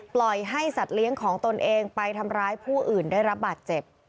ปล่อยให้สัตว์เลี้ยงของตนเองไปทำร้ายผู้อื่นได้รับบาดเจ็บ